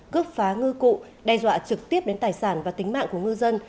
cướp phá ngư cụ đe dọa trực tiếp đến tài sản và tính mạng của ngư dân